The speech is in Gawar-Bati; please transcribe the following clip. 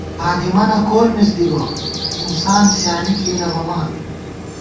ہادِمَنہ کول مِز دِبہ ، انسان سیالی کېئی نَہ بَمان